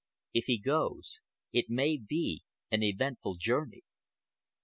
If he goes, it may be an eventful journey."